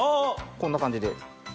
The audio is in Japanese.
こんな感じで。